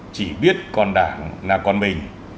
chỉ biết còn đảng là còn mình